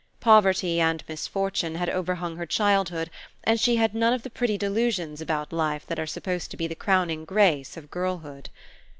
Poverty and misfortune had overhung her childhood and she had none of the pretty delusions about life that are supposed to be the crowning grace of girlhood.